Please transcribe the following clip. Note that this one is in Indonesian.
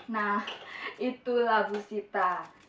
nah itulah bu sita